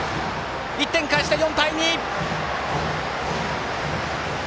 １点返して４対２！